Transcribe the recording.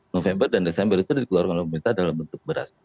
november dan desember itu dikeluarkan oleh pemerintah dalam bentuk beras